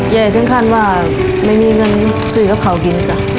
แย่จนฆ่าว่าไม่มีเงินซือกับเขากิน